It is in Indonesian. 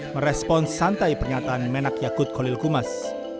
merespon santai pernyataan menak yakut kolil kumas